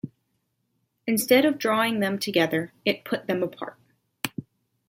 Instead of drawing them together, it put them apart.